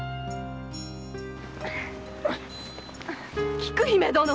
・菊姫殿！